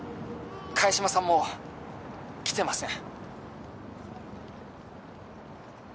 ☎萱島さんも来てません